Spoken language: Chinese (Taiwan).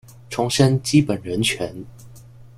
重申基本人權